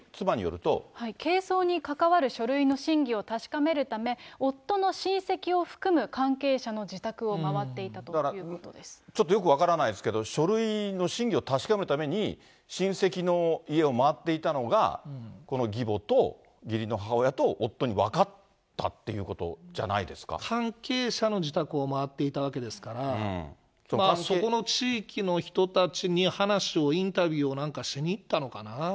係争に関わる書類の真偽を確かめるため、夫の親戚を含む関係者の自宅を回っていたということだから、ちょっとよく分からないですけれども、書類の真偽を確かめるために、親戚の家を回っていたのが、この義母と、義理の母親と夫に分かったということじ関係者の自宅を回っていたわけですから、そこの地域の人たちに話を、インタビューを何かしに行ったのかな？